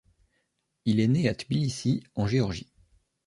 Il est né à Tbilissi en Géorgie.